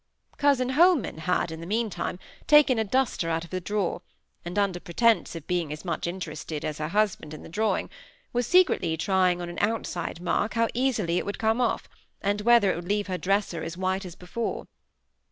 Cousin Holman had, in the meantime, taken a duster out of a drawer, and, under pretence of being as much interested as her husband in the drawing, was secretly trying on an outside mark how easily it would come off, and whether it would leave her dresser as white as before.